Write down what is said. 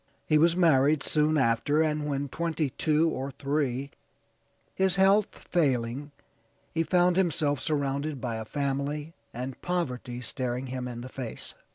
He was married soon after, and when twenty two or three, his health failing, he found himself surrounded by a family, and poverty staring him in the face.